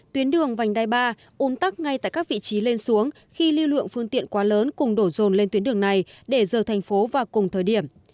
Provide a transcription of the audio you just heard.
tuyến đường vành đai ba un tắc ngay tại các vị trí lên xuống khi lưu lượng phương tiện quá lớn cùng đổ rồn lên tuyến đường này để rời thành phố vào cùng thời điểm